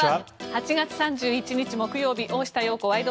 ８月３１日、木曜日「大下容子ワイド！